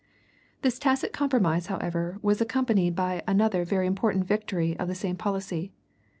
This tacit compromise, however, was accompanied by another very important victory of the same policy.